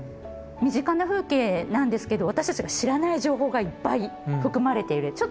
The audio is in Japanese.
身近な風景なんですけど私たちが知らない情報がいっぱい含まれている。